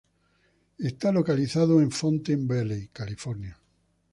Está localizado en Fountain Valley, California.